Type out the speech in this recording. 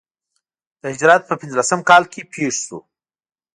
د هجرت په پنځه لسم کال کې پېښ شو.